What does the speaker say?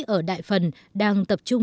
ở đại phần đang tập trung